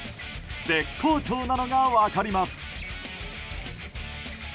絶好調なのが分かります。